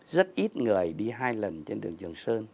rất ít người đi hai lần trên đường trường sơn